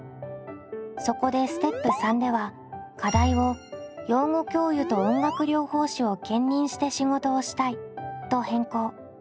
そこでステップ③では課題を「養護教諭と音楽療法士を兼任して仕事をしたい」と変更。